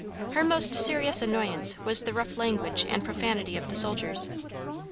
Her most serious annoyance was the rough language and profanity of the soldiers.